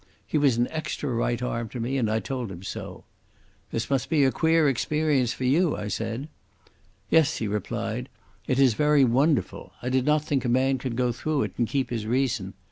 He was an extra right arm to me, and I told him so. "This must be a queer experience for you," I said. "Yes," he replied, "it is very wonderful. I did not think a man could go through it and keep his reason.